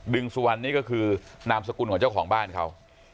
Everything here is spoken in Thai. สุวรรณนี่ก็คือนามสกุลของเจ้าของบ้านเขา